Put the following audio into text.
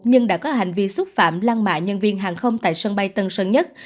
nhưng đã có hành vi xúc phạm lăng mạ nhân viên hàng không tại sân bay tân sơn nhất